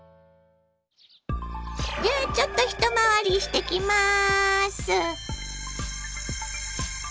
じゃあちょっと一回りしてきます。